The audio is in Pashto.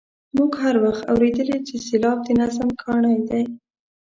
موږ هر وخت اورېدلي چې سېلاب د نظم کاڼی دی.